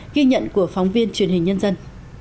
ghi nhận của phóng viên truyền hình nhân dân